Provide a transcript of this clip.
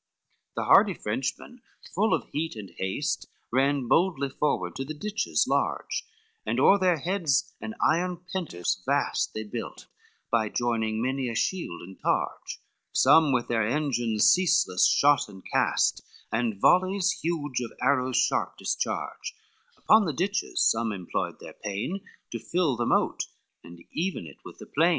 XXXIII The hardy Frenchmen, full of heat and haste, Ran boldly forward to the ditches large, And o'er their heads an iron pentice vast They built, by joining many a shield and targe, Some with their engines ceaseless shot and cast, And volleys huge of arrows sharp discharge, Upon the ditches some employed their pain To fill the moat and even it with the plain.